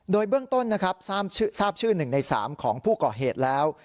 โดยเบื้องต้นนะครับทราบชื่อ๑ใน๓ของผู้ก่อเหตุแล้ว